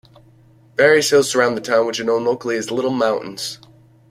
Various hills surround the town, which are known locally as little mountains.